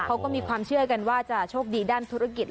เขาก็มีความเชื่อกันว่าจะโชคดีด้านธุรกิจ